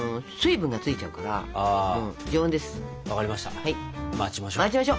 分かりました